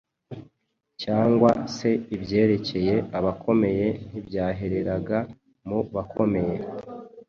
cyangwa se ibyerekeye abakomeye ,ntibyahereraga mu bakomeye.